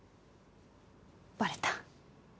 バレた？